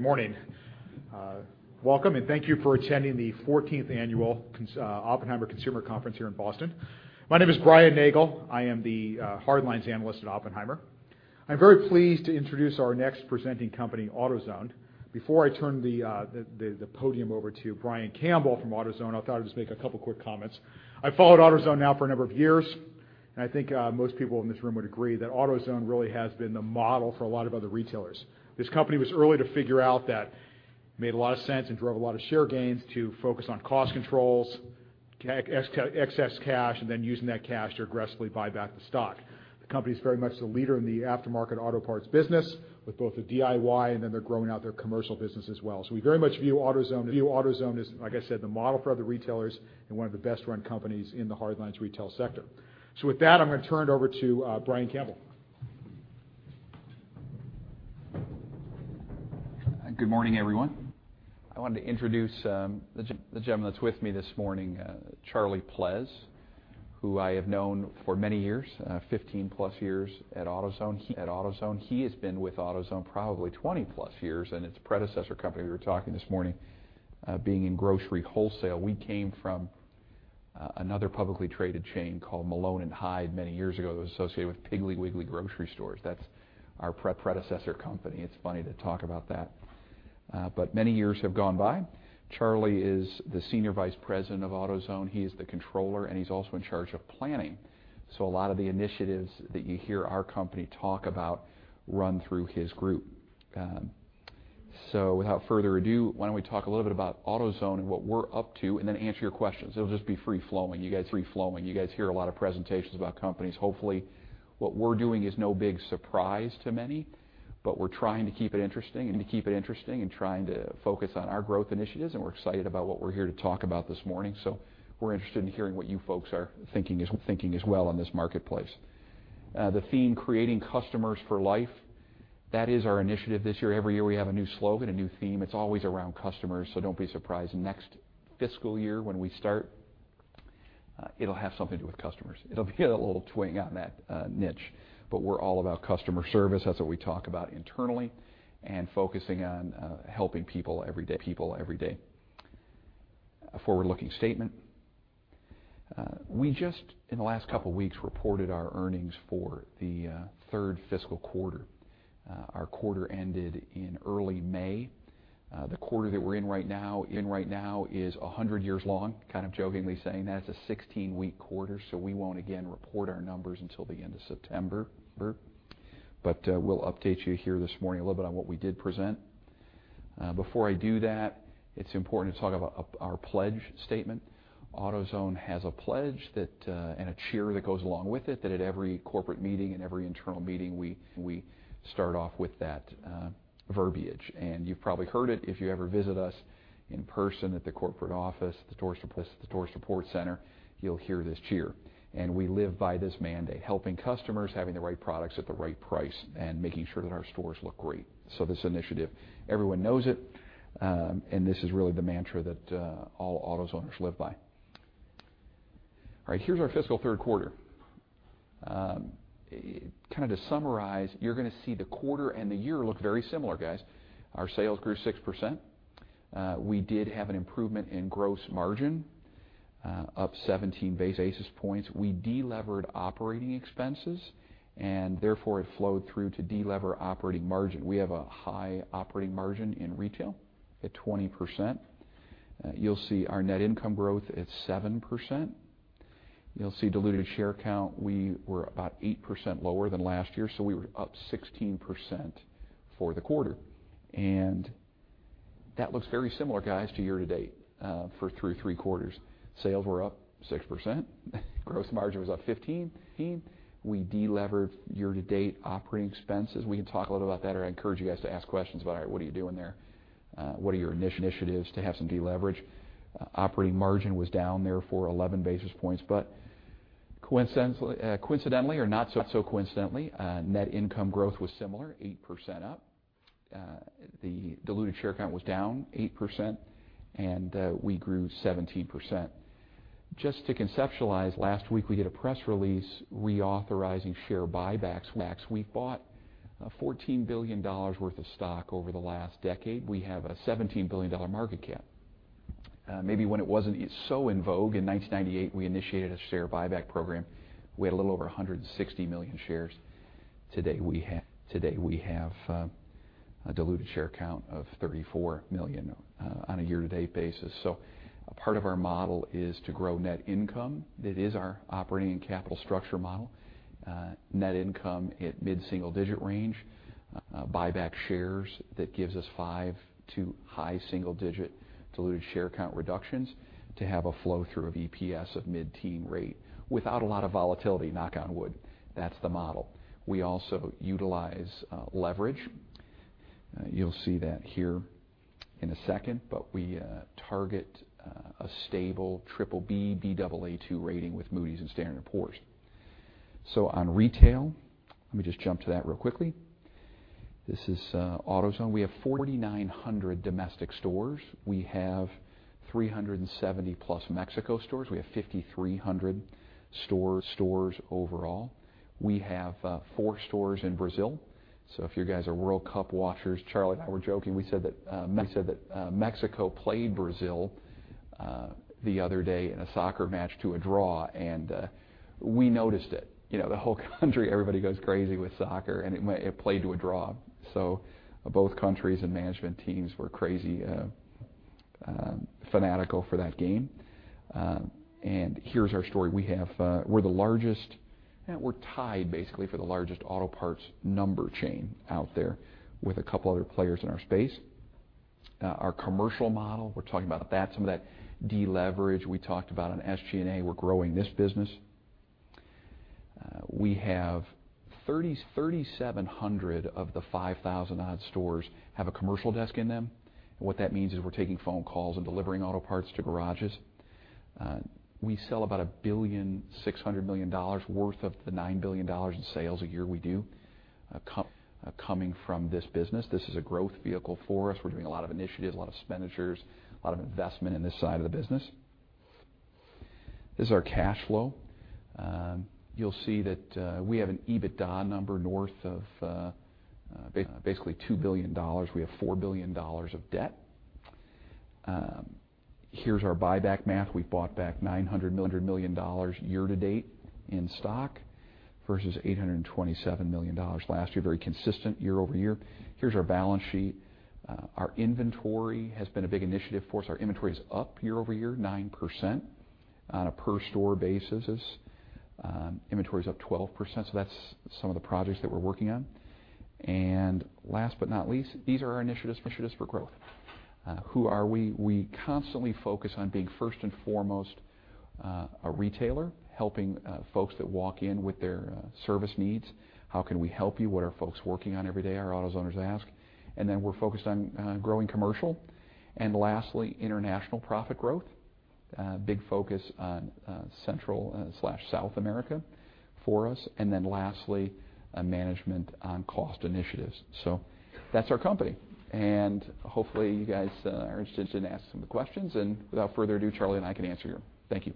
Good morning. Welcome and thank you for attending the 14th Annual Oppenheimer Consumer Conference here in Boston. My name is Brian Nagel. I am the hard lines analyst at Oppenheimer. I'm very pleased to introduce our next presenting company, AutoZone. Before I turn the podium over to Brian Campbell from AutoZone, I thought I'd just make a couple quick comments. I've followed AutoZone now for a number of years, and I think most people in this room would agree that AutoZone really has been the model for a lot of other retailers. This company was early to figure out that made a lot of sense and drove a lot of share gains to focus on cost controls, excess cash and then using that cash to aggressively buy back the stock. The company is very much the leader in the aftermarket auto parts business with both the DIY, and then they're growing out their commercial business as well. We very much view AutoZone as, like I said, the model for other retailers and one of the best-run companies in the hard lines retail sector. With that, I'm going to turn it over to Brian Campbell. Good morning, everyone. I wanted to introduce the gentleman that's with me this morning, Charlie Pless, who I have known for many years, 15 plus years at AutoZone. He has been with AutoZone probably 20 plus years and its predecessor company. We were talking this morning, being in grocery wholesale. We came from another publicly traded chain called Malone & Hyde many years ago that was associated with Piggly Wiggly grocery stores. That's our predecessor company. It's funny to talk about that. Many years have gone by. Charlie is the Senior Vice President of AutoZone. He is the controller, and he's also in charge of planning. A lot of the initiatives that you hear our company talk about run through his group. Without further ado, why don't we talk a little bit about AutoZone and what we're up to, and then answer your questions. It'll just be free-flowing. You guys hear a lot of presentations about companies. Hopefully, what we're doing is no big surprise to many, but we're trying to keep it interesting and trying to focus on our growth initiatives, and we're excited about what we're here to talk about this morning. We're interested in hearing what you folks are thinking as well in this marketplace. The theme, Creating Customers for Life, that is our initiative this year. Every year, we have a new slogan, a new theme. It's always around customers. Don't be surprised. Next fiscal year when we start, it'll have something to do with customers. It'll be a little twang on that niche. We're all about customer service, that's what we talk about internally, and focusing on helping people every day. A forward-looking statement. We just, in the last couple weeks, reported our earnings for the third fiscal quarter. Our quarter ended in early May. The quarter that we're in right now is 100 years long, kind of jokingly saying that. It's a 16-week quarter, so we won't again report our numbers until the end of September. We'll update you here this morning a little bit on what we did present. Before I do that, it's important to talk about our pledge statement. AutoZone has a pledge and a cheer that goes along with it that at every corporate meeting and every internal meeting, we start off with that verbiage. You've probably heard it if you ever visit us in person at the corporate office, at the store support center, you'll hear this cheer. We live by this mandate, helping customers, having the right products at the right price, and making sure that our stores look great. This initiative, everyone knows it, and this is really the mantra that all AutoZoners live by. All right. Here's our fiscal third quarter. Kind of to summarize, you're gonna see the quarter and the year look very similar, guys. Our sales grew 6%. We did have an improvement in gross margin up 17 basis points. We de-levered operating expenses, and therefore, it flowed through to de-lever operating margin. We have a high operating margin in retail at 20%. You'll see our net income growth at 7%. You'll see diluted share count, we were about 8% lower than last year, so we were up 16% for the quarter. That looks very similar, guys, to year-to-date for through three quarters. Sales were up 6%. Gross margin was up 15%. We de-levered year-to-date operating expenses. We can talk a little about that, or I encourage you guys to ask questions about, "All right, what are you doing there? What are your initiatives to have some de-leverage?" Operating margin was down therefore 11 basis points, coincidentally or not so coincidentally, net income growth was similar, 8% up. The diluted share count was down 8%, and we grew 17%. Just to conceptualize, last week we did a press release reauthorizing share buybacks. We bought $14 billion worth of stock over the last decade. We have a $17 billion market cap. Maybe when it wasn't so in vogue, in 1998, we initiated a share buyback program. We had a little over 160 million shares. Today, we have a diluted share count of 34 million on a year-to-date basis. A part of our model is to grow net income. It is our operating and capital structure model. Net income at mid-single digit range. Buyback shares, that gives us five to high single digit diluted share count reductions to have a flow-through of EPS of mid-teen rate without a lot of volatility, knock on wood. That's the model. We also utilize leverage. You'll see that here in a second, but we target a stable BBB, Baa2 rating with Moody's and Standard & Poor's. On retail, let me just jump to that real quickly. This is AutoZone. We have 4,900 domestic stores. We have 370 plus Mexico stores. We have 5,300 stores overall. We have four stores in Brazil. If you guys are World Cup watchers, Charlie and I were joking, we said that Mexico played Brazil the other day in a soccer match to a draw, and we noticed it. The whole country, everybody goes crazy with soccer, and it played to a draw. Both countries and management teams were crazy fanatical for that game. Here's our story. We're the largest. We're tied basically for the largest auto parts number chain out there with a couple other players in our space. Our commercial model, we're talking about some of that deleverage we talked about on SGA. We're growing this business. We have 3,700 of the 5,000 odd stores have a commercial desk in them, and what that means is we're taking phone calls and delivering auto parts to garages. We sell about $1 billion, $600 million worth of the $9 billion in sales a year we do coming from this business. This is a growth vehicle for us. We're doing a lot of initiatives, a lot of expenditures, a lot of investment in this side of the business. This is our cash flow. You'll see that we have an EBITDA number north of basically $2 billion. We have $4 billion of debt. Here's our buyback math. We've bought back $900 million year to date in stock versus $827 million last year. Very consistent year-over-year. Here's our balance sheet. Our inventory has been a big initiative for us. Our inventory is up year-over-year 9% on a per store basis. Inventory is up 12%. That's some of the projects that we're working on. Last but not least, these are our initiatives for growth. Who are we? We constantly focus on being first and foremost a retailer, helping folks that walk in with their service needs. How can we help you? What are folks working on every day? Our AutoZoners ask. We're focused on growing commercial. Lastly, international profit growth. Big focus on Central/South America for us. Lastly, management on cost initiatives. That's our company, and hopefully you guys are interested and ask some of the questions. Without further ado, Charlie and I can answer here. Thank you.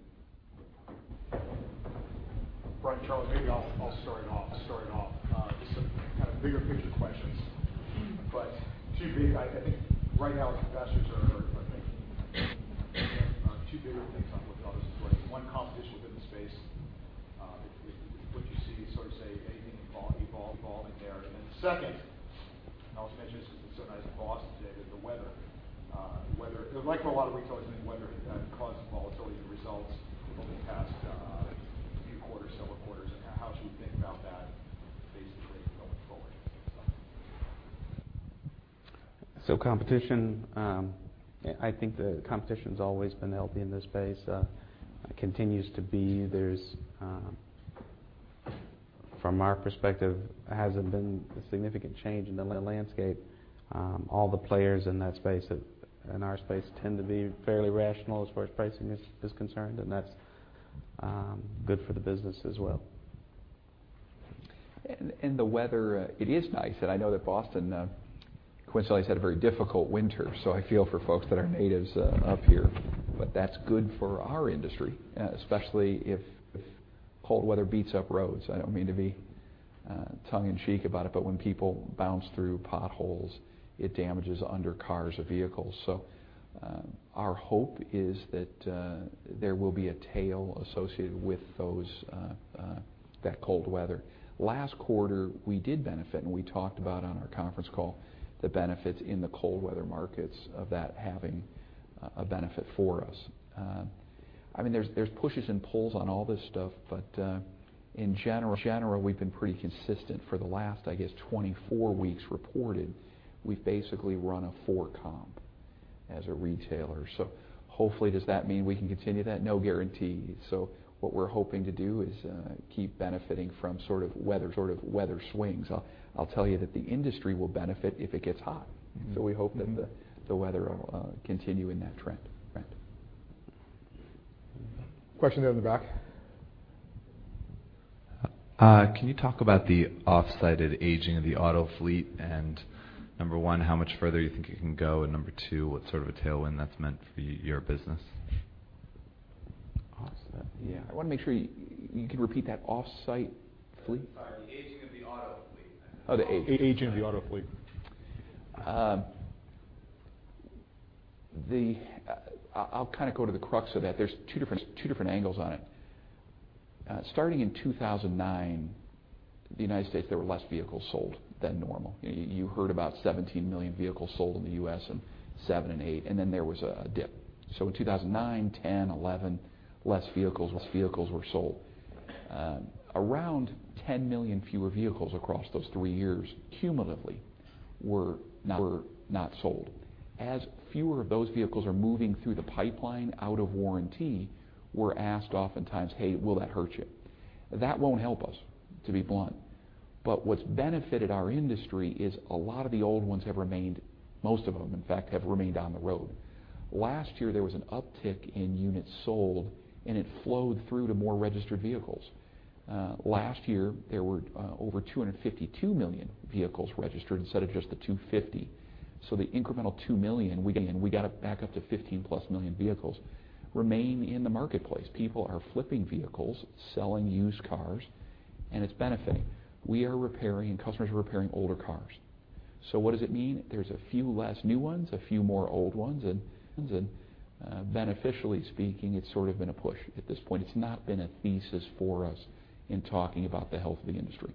Brian, Charlie, maybe I'll start off with some kind of bigger picture questions. Two big, I think right now investors are thinking about two bigger things on both of those. One, competition within the space. What you see, sort of say anything evolving there. Second, and I'll just mention this because it's so nice in Boston today, but the weather. Like for a lot of retailers, I mean, weather, that caused some volatility to results over the past few quarters, several quarters. How should we think about that basically going forward? Competition, I think the competition's always been healthy in this space. Continues to be. From our perspective, hasn't been a significant change in the landscape. All the players in our space tend to be fairly rational as far as pricing is concerned, and that's good for the business as well. The weather, it is nice. I know that Boston, coincidentally, has had a very difficult winter. I feel for folks that are natives up here, but that's good for our industry, especially if cold weather beats up roads. I don't mean to be tongue in cheek about it, but when people bounce through potholes, it damages under cars or vehicles. Our hope is that there will be a tail associated with that cold weather. Last quarter, we did benefit, and we talked about on our conference call the benefits in the cold weather markets of that having a benefit for us. There's pushes and pulls on all this stuff, but in general, we've been pretty consistent for the last, I guess, 24 weeks reported. We've basically run a four comp as a retailer. Hopefully, does that mean we can continue that? No guarantees. What we're hoping to do is keep benefiting from weather swings. I'll tell you that the industry will benefit if it gets hot. We hope that the weather will continue in that trend. Question there in the back. Can you talk about the off-site aging of the auto fleet, number one, how much further you think you can go? Number two, what sort of a tailwind that's meant for your business? off-site. Yeah. I want to make sure you can repeat that off-site fleet? Sorry. The aging of the auto fleet. Oh, the aging. The aging. The aging of the auto fleet. I'll kind of go to the crux of that. There's two different angles on it. Starting in 2009, the U.S., there were less vehicles sold than normal. You heard about 17 million vehicles sold in the U.S. in 2007 and 2008, there was a dip. In 2009, 2010, 2011, less vehicles were sold. Around 10 million fewer vehicles across those three years cumulatively were not sold. As fewer of those vehicles are moving through the pipeline out of warranty, we're asked oftentimes, "Hey, will that hurt you?" That won't help us, to be blunt. What's benefited our industry is a lot of the old ones have remained, most of them, in fact, have remained on the road. Last year, there was an uptick in units sold, and it flowed through to more registered vehicles. Last year, there were over 252 million vehicles registered instead of just the 250. The incremental 2 million we got back up to 15-plus million vehicles remain in the marketplace. People are flipping vehicles, selling used cars, and it's benefiting. We are repairing and customers are repairing older cars. What does it mean? There's a few less new ones, a few more old ones, and beneficially speaking, it's sort of been a push at this point. It's not been a thesis for us in talking about the health of the industry.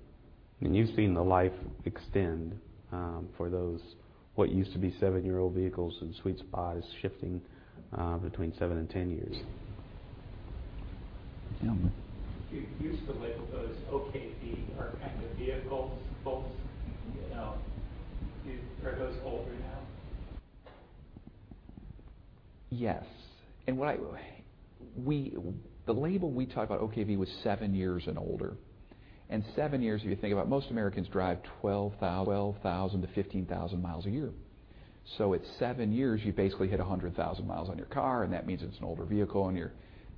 You've seen the life extend for those, what used to be 7-year-old vehicles and sweet spots shifting between 7 and 10 years. Yeah. You used to label those OKV or end-of-vehicle folks. Are those older now? Yes. The label we talk about OKV was 7 years and older. 7 years, if you think about it, most Americans drive 12,000 to 15,000 miles a year. At 7 years, you basically hit 100,000 miles on your car, and that means it's an older vehicle and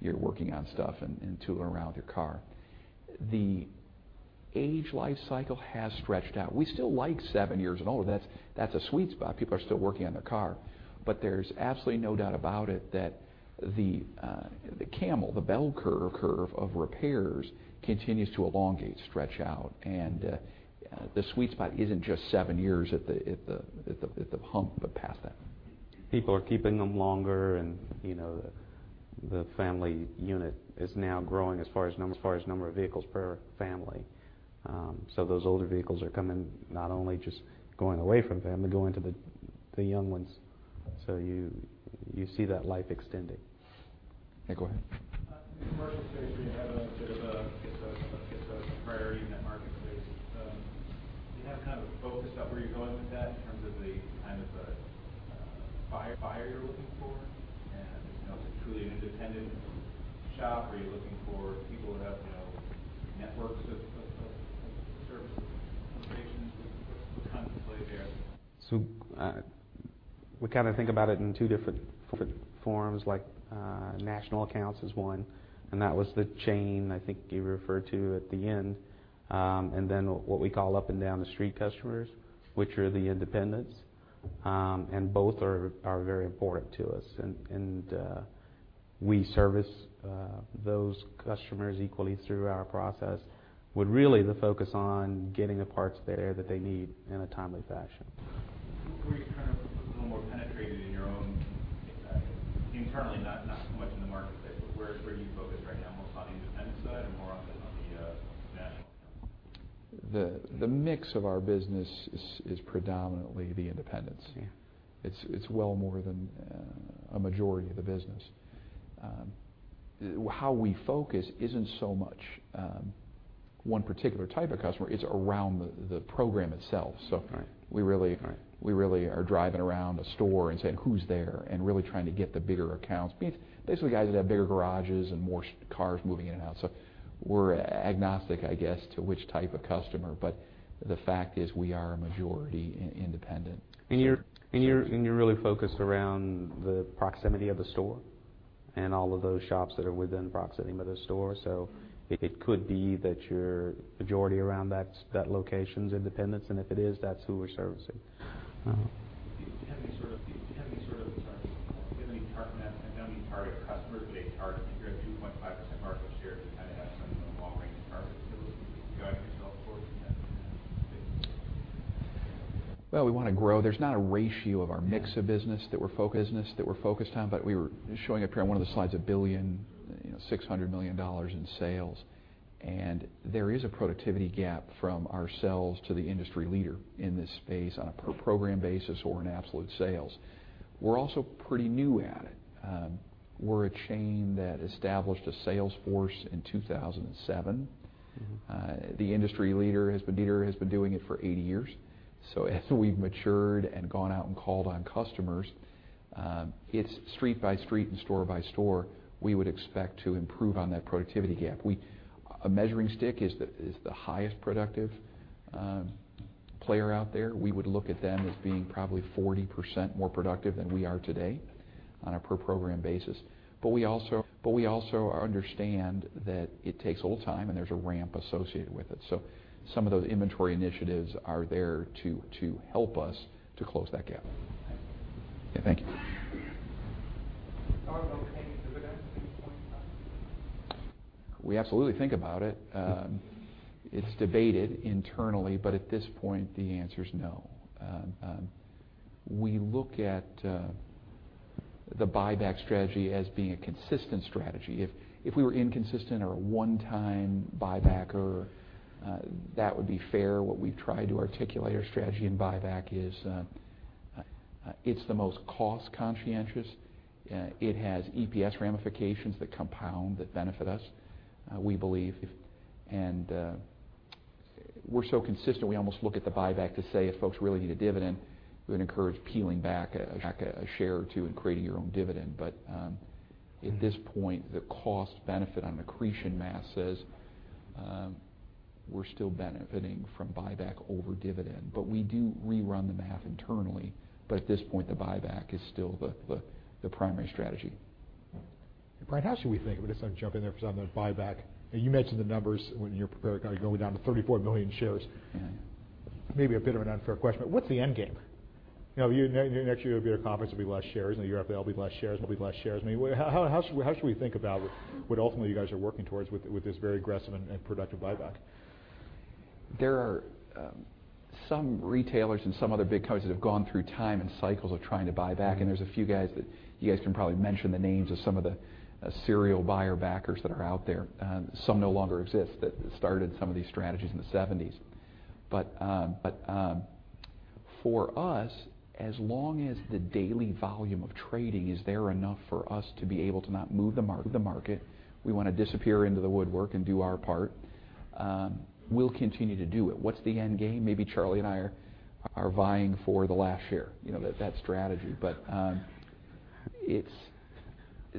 you're working on stuff and tooling around with your car. The age life cycle has stretched out. We still like 7 years and older. That's a sweet spot. People are still working on their car. There's absolutely no doubt about it that the camel, the bell curve of repairs continues to elongate, stretch out. The sweet spot isn't just 7 years at the hump, but past that. People are keeping them longer and the family unit is now growing as far as number of vehicles per family. Those older vehicles are coming, not only just going away from family, going to the young ones. You see that life extending. Yeah. Go ahead. In the marketplace, where you have a bit of a priority in that marketplace, do you have a focus of where you're going with that in terms of the kind of buyer you're looking for? Is it truly an independent shop? Are you looking for people that have networks of service locations? What's the contemplated there? We kind of think about it in two different forms, like national accounts is one, that was the chain I think you referred to at the end. Then what we call up and down the street customers, which are the independents. Both are very important to us. We service those customers equally through our process. With really the focus on getting the parts there that they need in a timely fashion. Where you're kind of a little more penetrated in your own internally, not so much in the marketplace, but where are you focused right now? More so on the independent side or more on the national account side? The mix of our business is predominantly the independents. Yeah. It's well more than a majority of the business. How we focus isn't so much one particular type of customer, it's around the program itself. Right. We really are driving around a store and saying who's there and really trying to get the bigger accounts. Basically, guys that have bigger garages and more cars moving in and out. We're agnostic, I guess, to which type of customer. The fact is we are a majority independent. You're really focused around the proximity of the store and all of those shops that are within proximity of the store. It could be that your majority around that location's independents, and if it is, that's who we're servicing. Do you have any sort of target customer base target? If you've got a 2.5% market share, do you have some long-range target that you're looking to guide yourself towards in that space? Well, we want to grow. There's not a ratio of our mix of business that we're focused on, but we were showing up here on one of the slides $1 billion, $600 million in sales. There is a productivity gap from ourselves to the industry leader in this space on a per program basis or in absolute sales. We're also pretty new at it. We're a chain that established a sales force in 2007. The industry leader has been doing it for 80 years. As we've matured and gone out and called on customers, it's street by street and store by store, we would expect to improve on that productivity gap. A measuring stick is the highest productive player out there. We would look at them as being probably 40% more productive than we are today on a per program basis. We also understand that it takes a little time and there's a ramp associated with it. Some of those inventory initiatives are there to help us to close that gap. Thanks. Yeah. Thank you. Thought about paying any dividends at any point? We absolutely think about it. It's debated internally, at this point, the answer's no. We look at the buyback strategy as being a consistent strategy. If we were inconsistent or a one-time buyback, that would be fair. What we've tried to articulate our strategy in buyback is it's the most cost-conscientious. It has EPS ramifications that compound, that benefit us. We believe if, and we're so consistent, we almost look at the buyback to say if folks really need a dividend, we would encourage peeling back a share or two and creating your own dividend. At this point, the cost benefit on accretion math says we're still benefiting from buyback over dividend, we do rerun the math internally. At this point, the buyback is still the primary strategy. Brian, how should we think? We'll just jump in there for a second, the buyback. You mentioned the numbers when you're preparing, going down to 34 million shares. Yeah. Maybe a bit of an unfair question, what's the end game? Next year, you'll be at a conference, there'll be less shares. The year after, there'll be less shares, we'll be less shares. How should we think about what ultimately you guys are working towards with this very aggressive and productive buyback? There are some retailers and some other big companies that have gone through time and cycles of trying to buy back. There's a few guys that you guys can probably mention the names of some of the serial buyer backers that are out there. Some no longer exist that started some of these strategies in the '70s. For us, as long as the daily volume of trading is there enough for us to be able to not move the market, we want to disappear into the woodwork and do our part. We'll continue to do it. What's the end game? Maybe Charlie and I are vying for the last share, that strategy.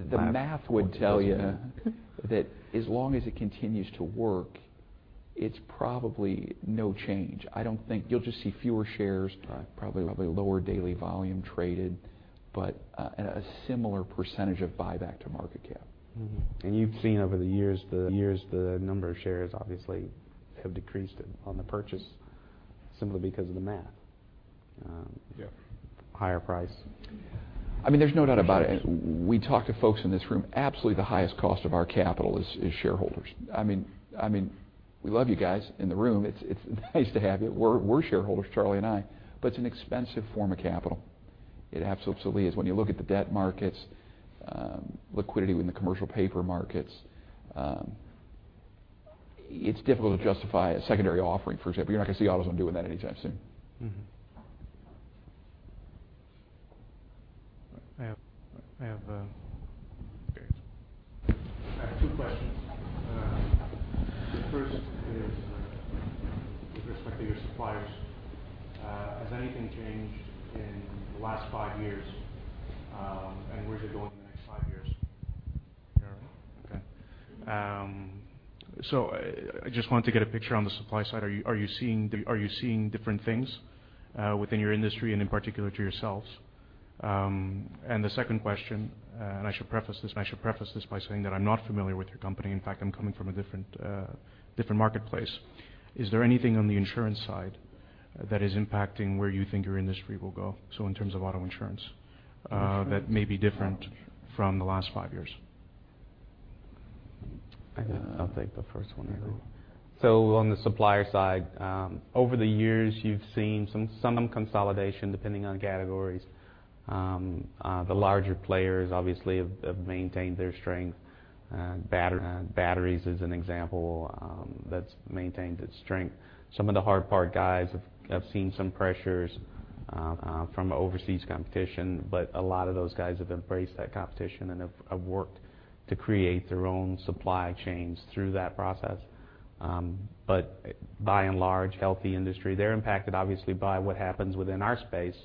The math would tell you that as long as it continues to work, it's probably no change. You'll just see fewer shares. Right. Probably lower daily volume traded, a similar percentage of buyback to market cap. You've seen over the years, the number of shares obviously have decreased on the purchase simply because of the math. Yeah. Higher price. There's no doubt about it. We talk to folks in this room, absolutely the highest cost of our capital is shareholders. We love you guys in the room. It's nice to have you. We're shareholders, Charlie and I. It's an expensive form of capital. It absolutely is. When you look at the debt markets, liquidity in the commercial paper markets, it's difficult to justify a secondary offering, for example. You're not going to see AutoZone doing that anytime soon. I have. Okay. I have two questions. The first is with respect to your suppliers. Has anything changed in the last five years? Where's it going in the next five years? You all right? Okay. I just wanted to get a picture on the supply side. Are you seeing different things within your industry and in particular to yourselves? The second question, and I should preface this by saying that I'm not familiar with your company. In fact, I'm coming from a different marketplace. Is there anything on the insurance side that is impacting where you think your industry will go? In terms of auto insurance. Insurance that may be different from the last five years? I'll take the first one maybe. On the supplier side, over the years, you've seen some consolidation, depending on categories. The larger players obviously have maintained their strength. Batteries is an example that's maintained its strength. Some of the hard part guys have seen some pressures from overseas competition. A lot of those guys have embraced that competition and have worked to create their own supply chains through that process. By and large, healthy industry. They're impacted, obviously, by what happens within our space,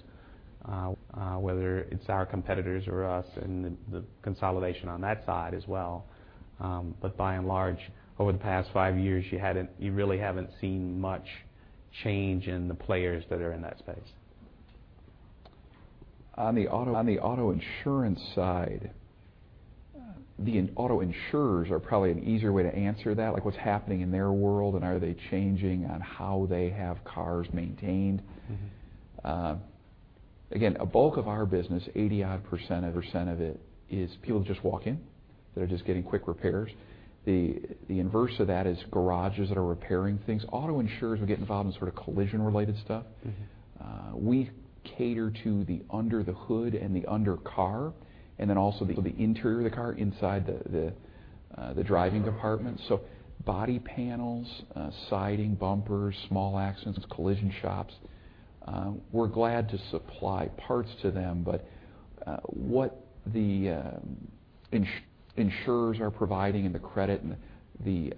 whether it's our competitors or us and the consolidation on that side as well. By and large, over the past five years, you really haven't seen much change in the players that are in that space. On the auto insurance side, the auto insurers are probably an easier way to answer that. What's happening in their world, and are they changing on how they have cars maintained? Again, a bulk of our business, 80-odd% of it, is people just walk in that are just getting quick repairs. The inverse of that is garages that are repairing things. Auto insurers will get involved in collision-related stuff. We cater to the under the hood and the under car. Also the interior of the car, inside the driving compartment. Body panels, siding, bumpers, small accidents, collision shops. We're glad to supply parts to them. What the insurers are providing in the credit and the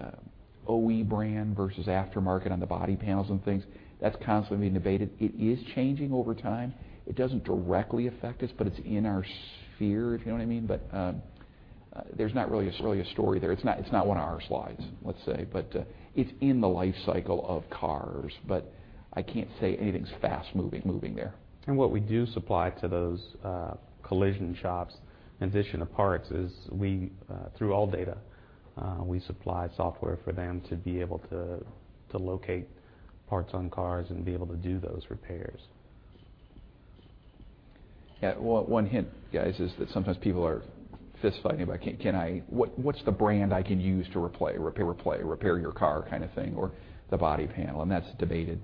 OE brand versus aftermarket on the body panels and things, that's constantly being debated. It is changing over time. It doesn't directly affect us, but it's in our sphere, if you know what I mean. There's not really a story there. It's not one of our slides, let's say. It's in the life cycle of cars, but I can't say anything's fast-moving there. What we do supply to those collision shops in addition to parts is, through ALLDATA, we supply software for them to be able to locate parts on cars and be able to do those repairs. Yeah. One hint, guys, is that sometimes people are fistfighting about, "What's the brand I can use to replay?" Repair your car kind of thing, or the body panel, that's debated.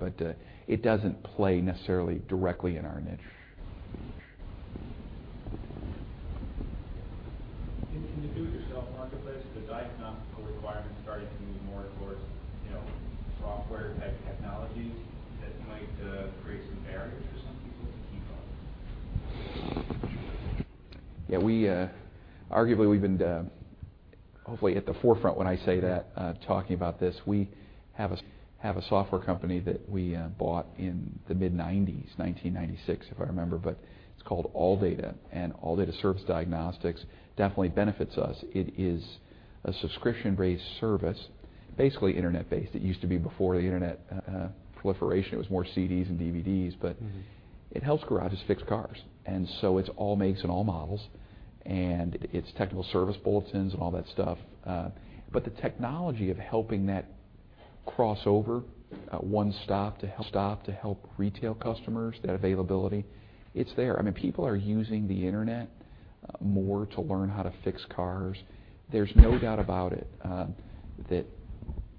It doesn't play necessarily directly in our niche. In the do-it-yourself marketplace, the diagnostic requirements starting to move more towards software-type technologies that might create some barriers for some people to keep up? Yeah. Arguably, we've been hopefully at the forefront when I say that, talking about this. We have a software company that we bought in the mid-90s, 1996, if I remember, but it's called ALLDATA, and ALLDATA serves diagnostics, definitely benefits us. It is a subscription-based service, basically internet-based. It used to be before the internet proliferation, it was more CDs and DVDs, but it helps garages fix cars. It's all makes and all models, and it's technical service bulletins and all that stuff. The technology of helping that cross over, one stop to help retail customers, that availability, it's there. People are using the internet more to learn how to fix cars. There's no doubt about it, that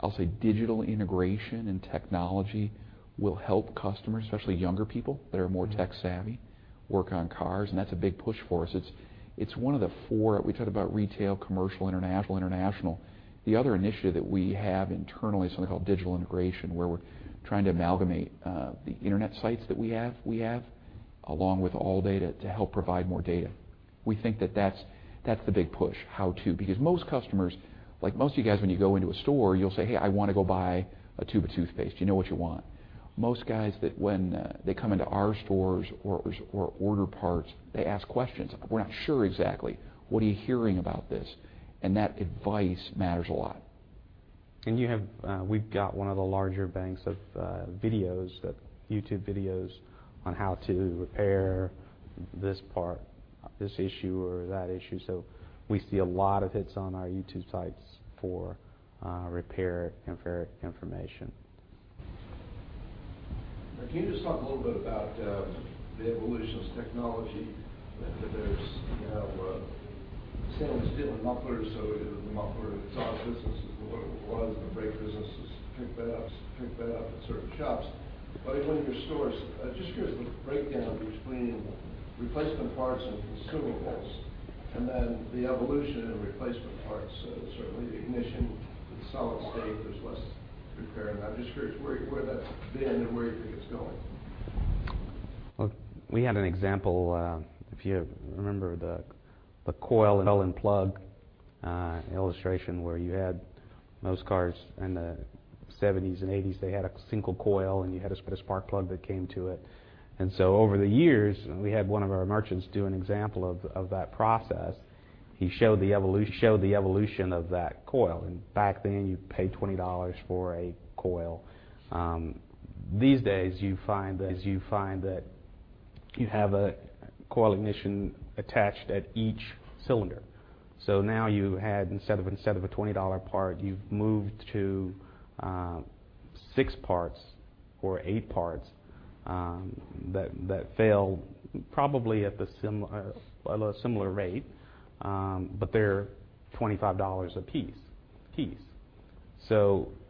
I'll say digital integration and technology will help customers, especially younger people that are more tech-savvy, work on cars, and that's a big push for us. It's one of the four. We talk about retail, commercial, international. The other initiative that we have internally is something called digital integration, where we're trying to amalgamate the internet sites that we have, along with ALLDATA to help provide more data. We think that's the big push. How to. Because most customers, like most of you guys, when you go into a store, you'll say, "Hey, I want to go buy a tube of toothpaste." You know what you want. Most guys that when they come into our stores or order parts, they ask questions. "We're not sure exactly. What are you hearing about this?" That advice matters a lot. We've got one of the larger banks of YouTube videos on how to repair this part, this issue or that issue. We see a lot of hits on our YouTube sites for repair information. Can you just talk a little bit about the evolution of technology? There's stainless steel mufflers. The muffler business is what it was. The brake business has picked that up at certain shops. In one of your stores, I'm just curious the breakdown between replacement parts and consumables and then the evolution in replacement parts. Certainly, the ignition with solid state, there's less repair. I'm just curious where that's been and where you think it's going. Look, we had an example, if you remember the coil and plug illustration where you had most cars in the '70s and '80s, they had a single coil, and you had a spark plug that came to it. Over the years, we had one of our merchants do an example of that process. He showed the evolution of that coil. Back then, you'd pay $20 for a coil. These days, you find that you have a coil ignition attached at each cylinder. Now you had instead of a $20 part, you've moved to six parts or eight parts that fail probably at a similar rate, but they're $25 a piece.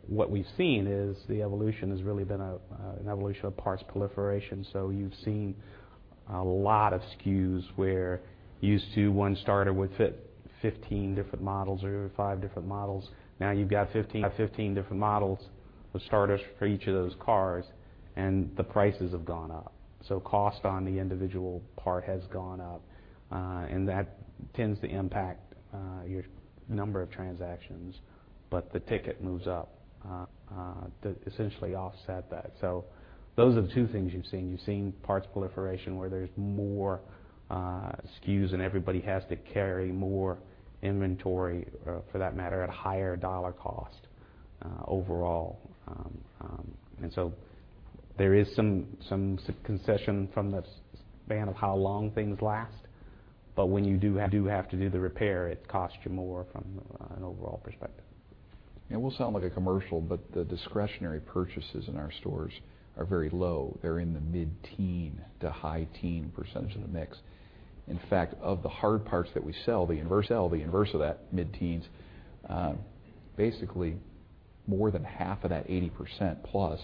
What we've seen is the evolution has really been an evolution of parts proliferation. You've seen a lot of SKUs where used to one starter would fit 15 different models or five different models. Now you've got 15 different models with starters for each of those cars, the prices have gone up. Cost on the individual part has gone up. That tends to impact your number of transactions, but the ticket moves up to essentially offset that. Those are the two things you've seen. You've seen parts proliferation where there's more SKUs and everybody has to carry more inventory, for that matter, at a higher dollar cost overall. There is some concession from the span of how long things last. When you do have to do the repair, it costs you more from an overall perspective. It will sound like a commercial, the discretionary purchases in our stores are very low. They're in the mid-teen to high teen percentage of the mix. In fact, of the hard parts that we sell, the inverse of that mid-teens, basically more than half of that 80%-plus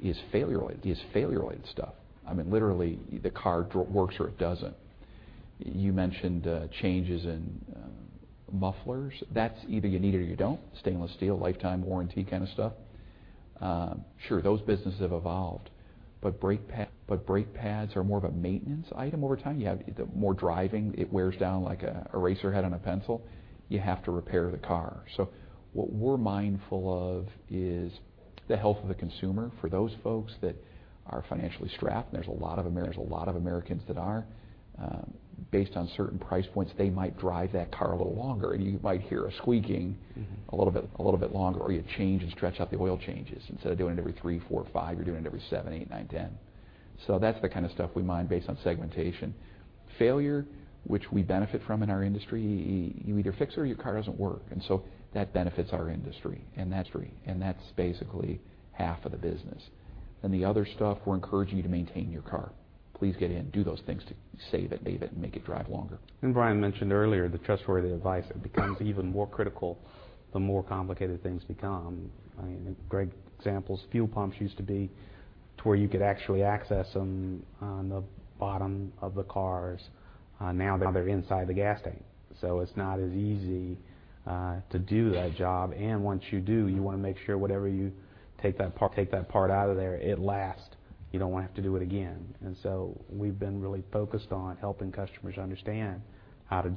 is failure-related stuff. Literally, the car works or it doesn't. You mentioned changes in mufflers. That's either you need it or you don't. Stainless steel, lifetime warranty kind of stuff. Sure, those businesses have evolved. Brake pads are more of a maintenance item over time. You have more driving, it wears down like an eraser head on a pencil. You have to repair the car. What we're mindful of is the health of the consumer. For those folks that are financially strapped, there's a lot of Americans that are based on certain price points, they might drive that car a little longer you might hear a squeaking a little bit longer, or you change and stretch out the oil changes. Instead of doing it every three, four, five, you're doing it every seven, eight, nine, 10. That's the kind of stuff we mind based on segmentation. Failure, which we benefit from in our industry, you either fix it or your car doesn't work. That benefits our industry, and that's basically half of the business. The other stuff, we're encouraging you to maintain your car. Please get in, do those things to save it and make it drive longer. Brian mentioned earlier, the trustworthy advice, it becomes even more critical the more complicated things become. Great examples, fuel pumps used to be to where you could actually access them on the bottom of the cars. Now they're inside the gas tank. It's not as easy to do that job, and once you do, you want to make sure whatever you take that part out of there, it lasts. You don't want to have to do it again. We've been really focused on helping customers understand how to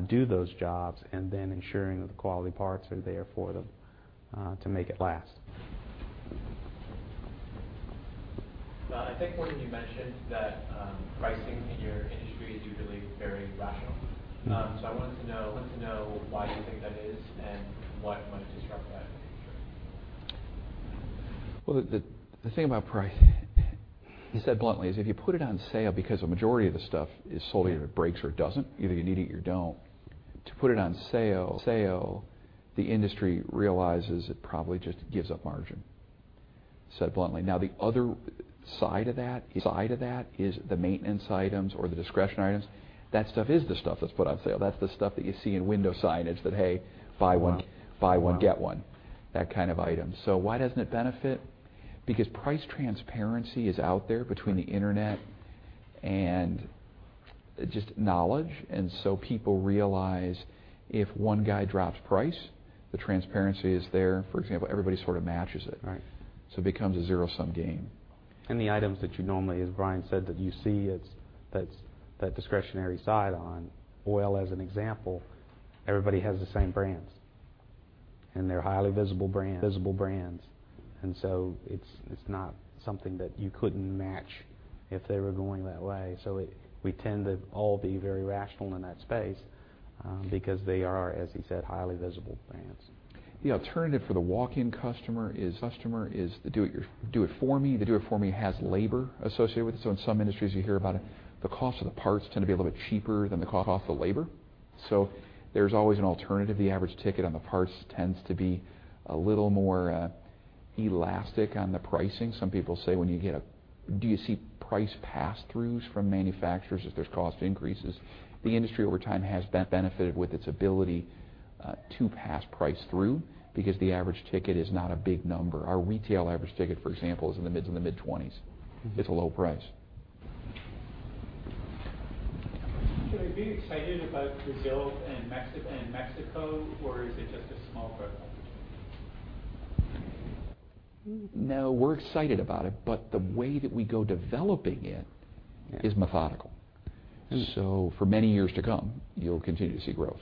do those jobs and then ensuring that the quality parts are there for them to make it last. I think, Morgan, you mentioned that pricing in your industry is usually very rational. I wanted to know why you think that is and what might disrupt that in the future? Well, the thing about price, said bluntly, is if you put it on sale, because a majority of the stuff is sold, either it breaks or it doesn't, either you need it or you don't. To put it on sale, the industry realizes it probably just gives up margin, said bluntly. Now, the other side of that is the maintenance items or the discretionary items. That stuff is the stuff that's put on sale. That's the stuff that you see in window signage that, "Hey, buy one, get one," that kind of item. Why doesn't it benefit? Because price transparency is out there between the internet and just knowledge. People realize if one guy drops price, the transparency is there. For example, everybody sort of matches it. Right. It becomes a zero-sum game. The items that you normally, as Brian said, that you see that discretionary side on. Oil, as an example, everybody has the same brands, and they're highly visible brands. It's not something that you couldn't match if they were going that way. We tend to all be very rational in that space, because they are, as he said, highly visible brands. The alternative for the walk-in customer is the do-it-for-me. The do-it-for-me has labor associated with it. In some industries, you hear about the cost of the parts tend to be a little bit cheaper than the cost of labor. There's always an alternative. The average ticket on the parts tends to be a little more elastic on the pricing. Some people say when you get Do you see price passthroughs from manufacturers if there's cost increases? The industry over time has benefited with its ability to pass price through because the average ticket is not a big number. Our retail average ticket, for example, is in the mid $20s. It's a low price. Should I be excited about Brazil and Mexico, or is it just a small part? No, we're excited about it, the way that we go developing it is methodical. For many years to come, you'll continue to see growth.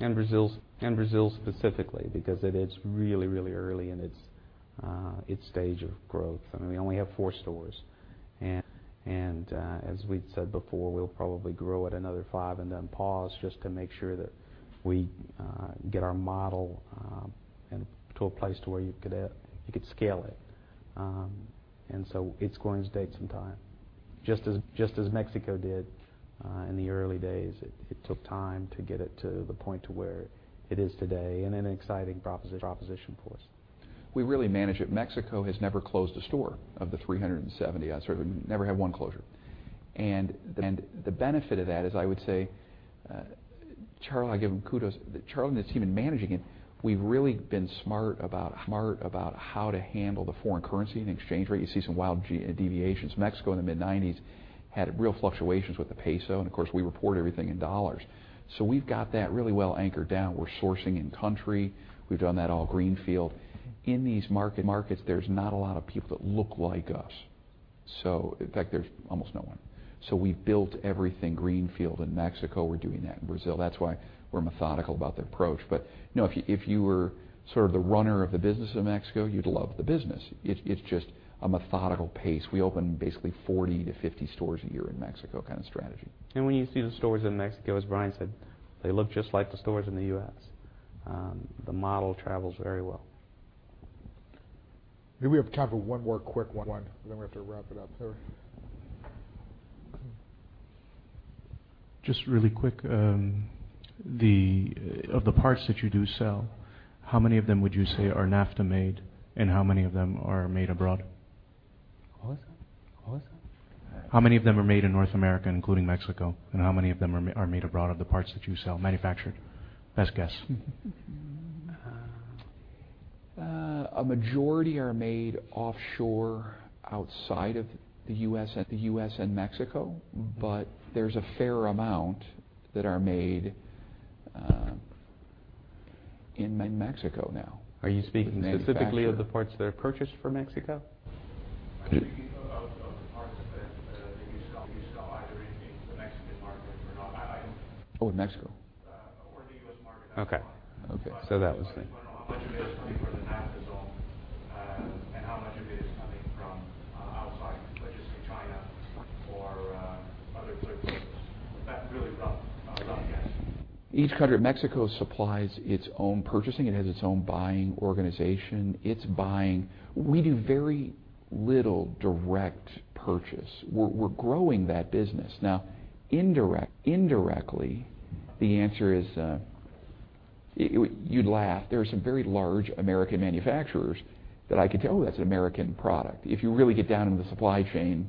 Brazil specifically, because it is really early in its stage of growth. We only have four stores. As we've said before, we'll probably grow at another five and then pause just to make sure that we get our model to a place to where you could scale it. It's going to take some time. Just as Mexico did in the early days. It took time to get it to the point to where it is today and an exciting proposition for us. We really manage it. Mexico has never closed a store of the 370. Never had one closure. The benefit of that is, I would say, Charles, I give him kudos. Charles and his team in managing it, we've really been smart about how to handle the foreign currency and exchange rate. You see some wild deviations. Mexico in the mid-1990s had real fluctuations with the peso, and of course, we report everything in dollars. We've got that really well anchored down. We're sourcing in country. We've done that all greenfield. In these markets, there's not a lot of people that look like us. In fact, there's almost no one. We've built everything greenfield in Mexico. We're doing that in Brazil. That's why we're methodical about the approach. If you were sort of the runner of the business in Mexico, you'd love the business. It's just a methodical pace. We open basically 40-50 stores a year in Mexico kind of strategy. When you see the stores in Mexico, as Brian said, they look just like the stores in the U.S. The model travels very well. Maybe we have time for one more quick one, and then we have to wrap it up. Sir. Just really quick. Of the parts that you do sell, how many of them would you say are NAFTA-made, and how many of them are made abroad? What was that? How many of them are made in North America, including Mexico, and how many of them are made abroad, of the parts that you sell manufactured? Best guess. A majority are made offshore outside of the U.S. and Mexico, but there's a fair amount that are made in Mexico now. Are you speaking specifically of the parts that are purchased from Mexico? I'm speaking of the parts that you sell either in the Mexican market or not. Oh, in Mexico. The U.S. market. Okay. Okay. I just want to know how much of it is coming from the NAFTA zone and how much of it is coming from outside, let's just say China or other third parties. Really rough guess. Each country, Mexico supplies its own purchasing. It has its own buying organization. It's buying. We do very little direct purchase. We're growing that business. Indirectly, the answer is You'd laugh. There are some very large American manufacturers that I could go, "Oh, that's an American product." If you really get down into the supply chain,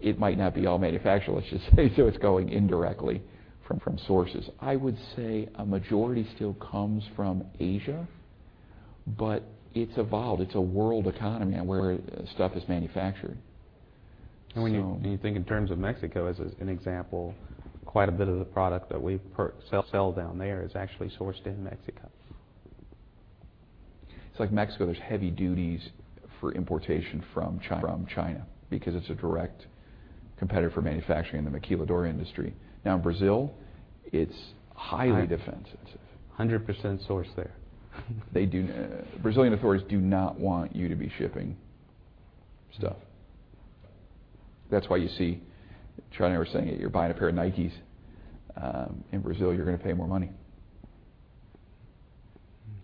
it might not be all manufactured, let's just say. It's going indirectly from sources. I would say a majority still comes from Asia, it's evolved. It's a world economy where stuff is manufactured. When you think in terms of Mexico as an example, quite a bit of the product that we sell down there is actually sourced in Mexico. It's like Mexico, there's heavy duties for importation from China because it's a direct competitor for manufacturing in the Maquiladora industry. In Brazil, it's highly defensive. 100% sourced there. Brazilian authorities do not want you to be shipping stuff. That's why you see, Charlie and I were saying it, you're buying a pair of Nike in Brazil, you're going to pay more money.